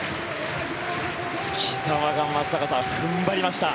木澤が踏ん張りました。